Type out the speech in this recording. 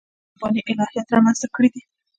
طالباني الهیات رامنځته کړي دي.